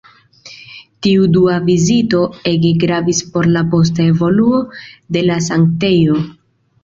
Tiu dua vizito ege gravis por la posta evoluo de la sanktejo.